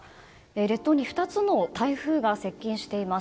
列島に２つの台風が接近しています。